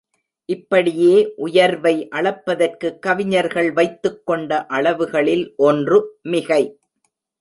இப்படியே உயர்வை அளப்பதற்குக் கவிஞர்கள் வைத்துக் கொண்ட அளவுகளில் ஒன்று மிகை.